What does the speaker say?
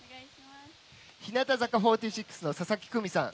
日向坂４６の佐々木久美さん